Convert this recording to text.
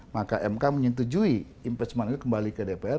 maka mk menyetujui impeachment itu kembali ke dpr